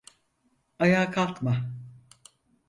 Ayağa kalkma.